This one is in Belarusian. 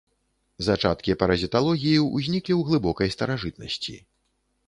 Зачаткі паразіталогіі ўзніклі ў глыбокай старажытнасці.